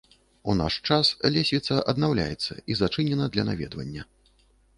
У наш час лесвіца аднаўляецца і зачынена для наведвання.